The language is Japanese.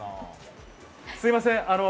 すみません。